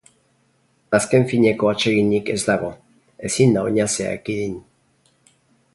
Azken fineko atseginik ez dago, ezin da oinazea ekidin....